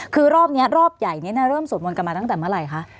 คือรอบนี้รอบใหญ่นี้เริ่มสวดมนต์กันมาตั้งแต่เมื่อไหร่คะ